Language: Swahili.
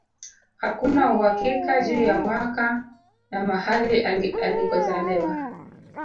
Hakuna uhakika juu ya mwaka na mahali alikozaliwa